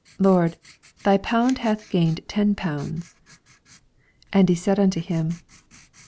Lord, thy pound hath gained ten pounds. 17 And he said unto him.